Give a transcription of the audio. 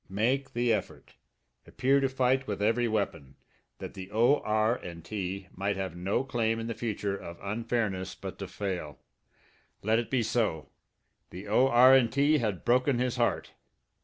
Make the effort, appear to fight with every weapon, that the O.R. & T. might have no claim in the future of unfairness but to fail! Let it be so! The O.R. & T. had broken his heart.